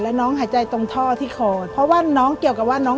แล้วมีอยู่ครั้งหนึ่งคือพัดล้มไม่หมุน